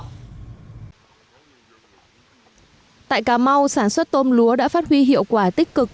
tại cà mau sản xuất tôm lúa đã phát huy hiệu quả tích cực